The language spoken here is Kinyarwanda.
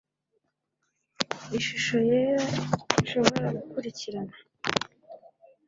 ishusho yera nshobora gukurikirana